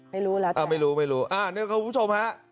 ไม่รู้แล้วแต่อ่ะไม่รู้ไม่รู้อ่ะเดี๋ยวกับคุณผู้ชมฮะ